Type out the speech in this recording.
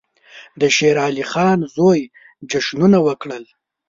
د شېر علي خان زوی جشنونه وکړل.